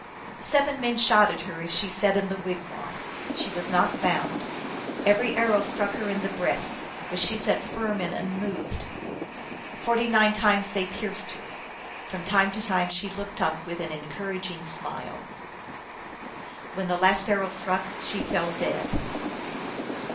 Seven men shot at her, as she sat in the wigwam. She was not bound. Every arrow struck her in the breast, but she sat firm and unmoved. Forty nine times they pierced her ; from time to time she looked up with an encouraging smile. When the last arrow struck she fell dead.